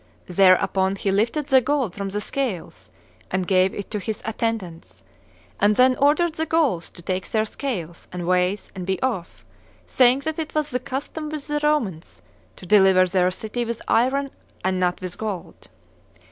Thereupon he lifted the gold from the scales and gave it to his attendants, and then ordered the Gauls to take their scales and weights and be off, saying that it was the custom with the Romans to deliver their city with iron and not. with gold.